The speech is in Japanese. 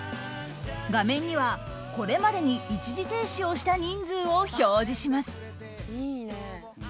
画面には、これまでに一時停止をした人数を表示します。